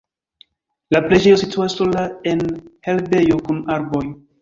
La preĝejo situas sola en herbejo kun arboj.